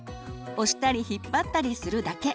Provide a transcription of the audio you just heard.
押したり引っ張ったりするだけ。